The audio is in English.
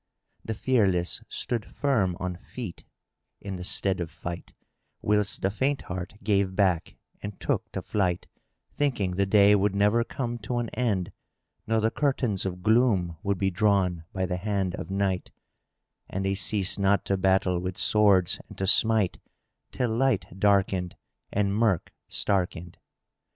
The fearless stood firm on feet in the stead of fight, whilst the faint heart gave back and took to flight thinking the day would never come to an end nor the curtains of gloom would be drawn by the hand of Night; and they ceased not to battle with swords and to smite till light darkened and murk starkened.